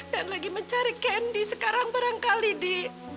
dan lagi mencari kendi sekarang barangkali di